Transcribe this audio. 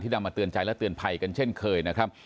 นำมาเตือนใจและเตือนภัยกันเช่นเคยนะครับ